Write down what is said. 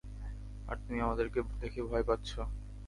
আর তুমি আমাদেরকে দেখে ভয় পাচ্ছো?